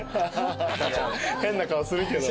変な顔するけど。